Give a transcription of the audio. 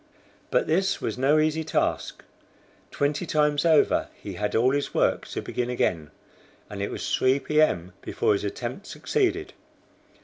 But this was no easy task. Twenty times over he had all his work to begin again, and it was 3 P. M. before his attempt succeeded.